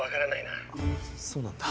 あそうなんだ。